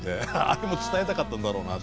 あれも伝えたかったんだろうな。